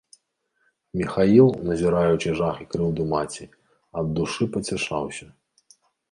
Міхаіл, назіраючы жах і крыўду маці, ад душы пацяшаўся.